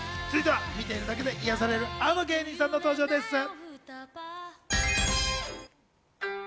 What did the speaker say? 続いては見ているだけで癒やされる、あの芸人さんの登場です。